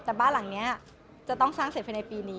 แต่บ้านหลังนี้จะต้องสร้างเสร็จภายในปีนี้